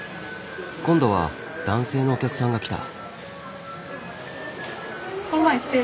今度は男性のお客さんが来た。